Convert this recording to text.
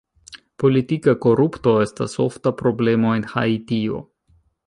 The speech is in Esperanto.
Politika korupto estas ofta problemo en Haitio.